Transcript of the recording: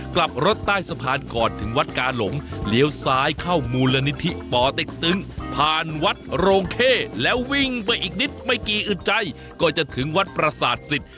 กลับรถใต้สะพานก่อนถึงวัดกาหลงเลี้ยวซ้ายเข้ามูลนิธิป่อเต็กตึงผ่านวัดโรงเข้แล้ววิ่งไปอีกนิดไม่กี่อึดใจก็จะถึงวัดประสาทศิษย์